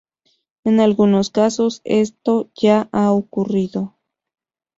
En algunos casos esto ya ha ocurrido.